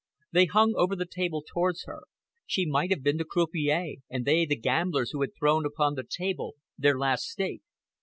They hung over the table towards her. She might have been the croupier and they the gamblers who had thrown upon the table their last stake.